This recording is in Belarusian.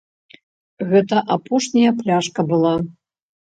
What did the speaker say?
Гэта апошняя пляшка была.